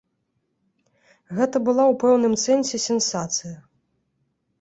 Гэта была ў пэўным сэнсе сенсацыя.